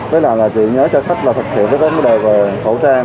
với lại là chị nhớ cho khách là thực hiện với các vấn đề về khẩu trang